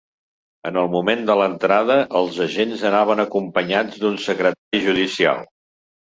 En el moment de l’entrada, els agents anaven acompanyats d’un secretari judicial.